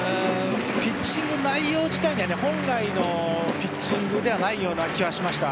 ピッチングの内容自体は本来のピッチングではないような気はしました。